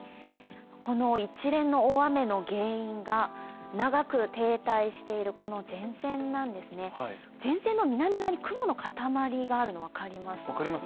この一連の大雨の原因が長く停滞しているこの前線なんですね、前線の南側に雲の固まりがあるの分かりますかね。